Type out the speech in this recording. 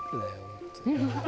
本当に」